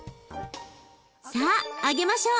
さあ揚げましょう！